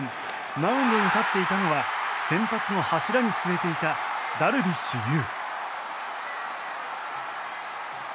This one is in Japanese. マウンドに立っていたのは先発の柱に据えていたダルビッシュ有。